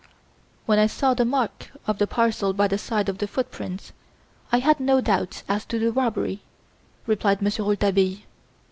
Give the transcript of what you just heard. "When I saw the mark of the parcel by the side of the footprints, I had no doubt as to the robbery," replied Monsieur Rouletabille.